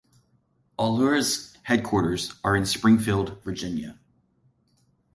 Alhurra's headquarters are in Springfield, Virginia.